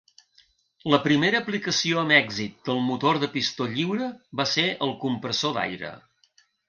La primera aplicació amb èxit del motor de pistó lliure va ser el compressor d'aire.